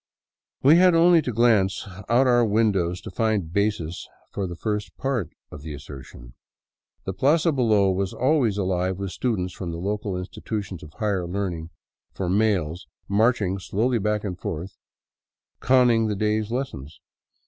We had only to glance out our windows to find basis for the first part of the assertion. The plaza below was always alive with students from the local institutions of higher learning for males marching slowly back and forth conning the day's lessons.